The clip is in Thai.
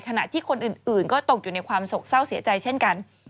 ขณะที่คนอื่นก็ตกอยู่ในความสกเศร้าเสียใจเช่นกัน